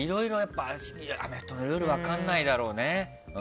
アメフトいろいろ分からないだろうね。